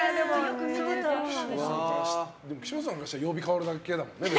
でも岸本さんからしたら曜日変わるだけだからね。